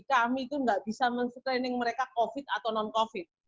kami itu nggak bisa men screening mereka covid atau non covid